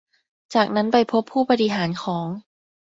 จากนั้นไปพบผู้บริหารของ